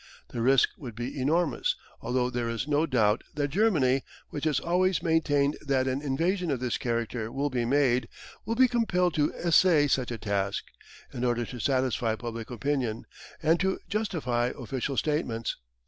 The risk would be enormous, although there is no doubt that Germany, which has always maintained that an invasion of this character will be made, will be compelled to essay such a task, in order to satisfy public opinion, and to justify official statements.